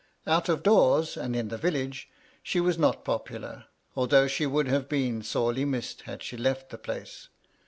Out of doors, ahd in the village, she was not popular, although she would have been sorely missed had she left the place.